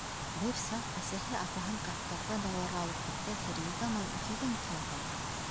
Бер саҡ, әсәһе апаһын Кавказға дауаларға алып киткәс, Резеда менән икәүҙән-икәү ҡалдыҡ.